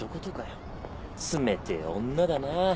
冷てえ女だなぁ。